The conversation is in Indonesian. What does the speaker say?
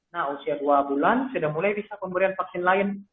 nah usia dua bulan sudah mulai bisa pemberian vaksin lain